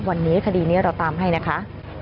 วันนี้คดีนี้เราตามให้นะคะ